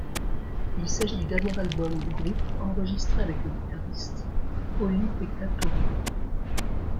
Il s'agit du dernier album du groupe enregistré avec le guitariste Olli-Pekka Törrö.